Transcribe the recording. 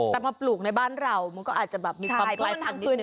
แต่มาปลูกในบ้านเรามันก็อาจจะมีความไกลฟันนิดนึง